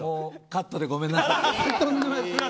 カットでごめんなさい。